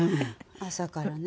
朝からね。